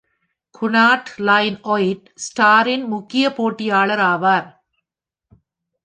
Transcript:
குனார்ட் line white ஸ்டாரின் முக்கிய போட்டியாளர் ஆவார்.